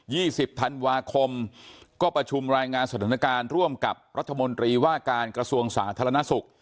สิบธันวาคมก็ประชุมรายงานสถานการณ์ร่วมกับรัฐมนตรีว่าการกระทรวงสาธารณสุข